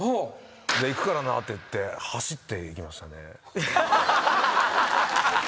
「じゃあ行くからな」って言って走って行きましたね。